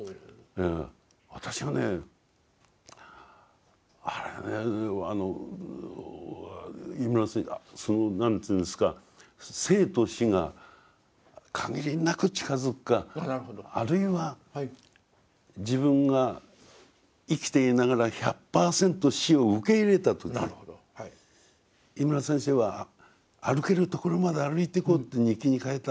私がねあれはねその何ていうんですか生と死が限りなく近づくかあるいは自分が生きていながら１００％死を受け入れた時井村先生は歩けるところまで歩いていこうって日記に書いた。